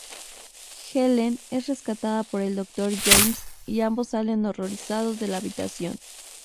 Helene es rescatada por el doctor James, y ambos salen horrorizados de la habitación.